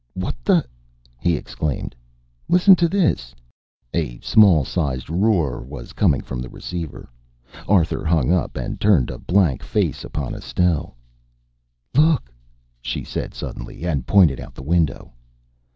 "What the " he exclaimed. "Listen to this!" A small sized roar was coming from the receiver. Arthur hung up and turned a blank face upon Estelle. "Look!" she said suddenly, and pointed out of the window.